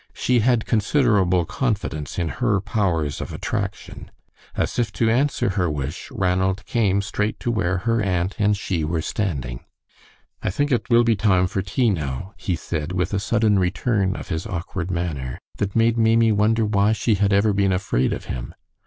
She had considerable confidence in her powers of attraction. As if to answer her wish, Ranald came straight to where her aunt and she were standing. "I think it will be time for tea now," he said, with a sudden return of his awkward manner, that made Maimie wonder why she had ever been afraid of him.